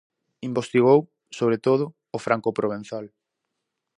Investigou, sobre todo, o francoprovenzal.